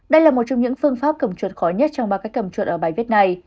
đây là một trong những phương pháp cầm chuột khó nhất trong ba cái cẩm chuột ở bài viết này